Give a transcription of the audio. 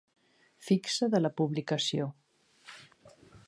Fixa de la Publicació.